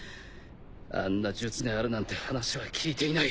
あんな術があるなんて話は聞いていない。